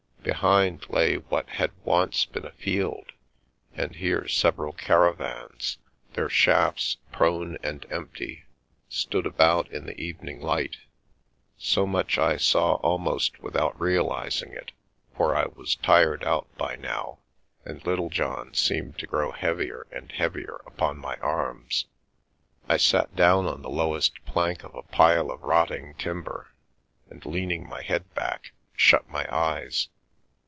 Behind lay what had once been a field, and here several caravans, their shafts prone and empty, stood about in the evening light. So much I saw almost without realising it, for I was tired out by now, and Littlejohn seemed to grow heavier and heavier upon my arms. I sat down on the lowest plank of a pile of rotting timber, and leaning my head back, shut my eyes.